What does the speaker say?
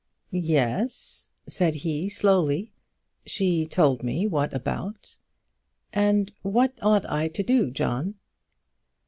"Yes," said he, slowly; "she told me what about." "And what ought I to do, John?"